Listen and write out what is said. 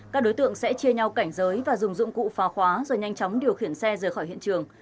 các đối tượng sẽ chia nhau cảnh giới và dùng dụng cụ phá khóa rồi nhanh chóng điều khiển xe rời khỏi hiện trường